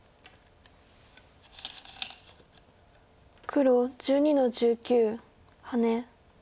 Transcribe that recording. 黒１２の十九ハネ。